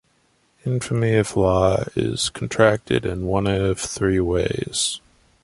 "Infamy of law" is contracted in one of three ways.